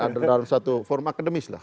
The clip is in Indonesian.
ada dalam satu forum akademis lah